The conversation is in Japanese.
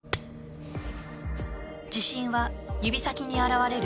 自信は指先に表れる。